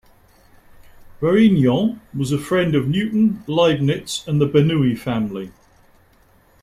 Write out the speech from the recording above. Varignon was a friend of Newton, Leibniz, and the Bernoulli family.